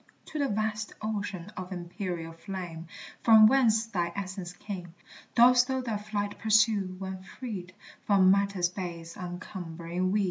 To the vast ocean of empyreal flame, From whence thy essence came, Dost thou thy flight pursue, when freed From matter's base uncumbering weed?